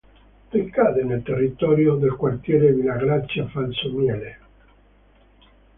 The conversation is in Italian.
Ricade nel territorio del quartiere Villagrazia-Falsomiele.